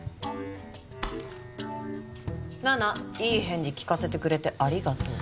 「七菜いい返事聞かせてくれてありがとう」